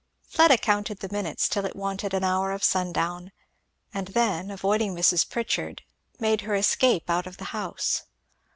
Fleda counted the minutes till it wanted an hour of sundown; and then avoiding Mrs. Pritchard made her escape out of the house.